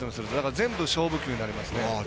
全部勝負球になりますね。